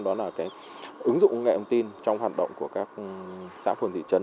đó là cái ứng dụng công nghệ thông tin trong hoạt động của các xã phường thị trấn